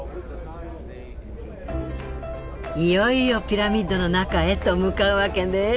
いよいよピラミッドの中へと向かうわけね。